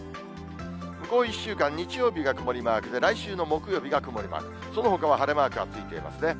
向こう１週間、日曜日が曇りマークで、来週の木曜日が曇りマーク、そのほかは晴れマークがついていますね。